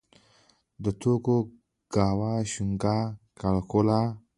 د توکوګاوا شوګانان د فیوډالي خانانو طبقه وه.